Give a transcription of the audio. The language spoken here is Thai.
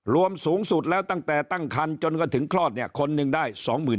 รวมสูงสุดแล้วตั้งแต่ตั้งคันจนก็ถึงคลอดเนี่ยคนหนึ่งได้๒๐๐๐